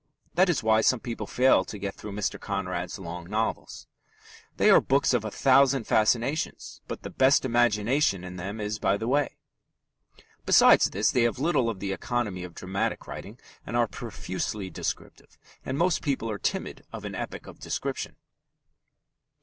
That is why some people fail to get through Mr. Conrad's long novels. They are books of a thousand fascinations, but the best imagination in them is by the way. Besides this, they have little of the economy of dramatic writing, but are profusely descriptive, and most people are timid of an epic of description.